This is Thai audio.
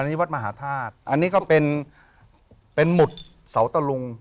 อันนี้วัดมหาธาตุอันนี้ก็เป็นเป็นหมุดเสาตะลุง